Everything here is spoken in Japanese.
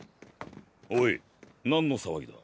オイ何の騒ぎだ？